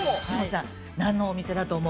何のお店だと思う？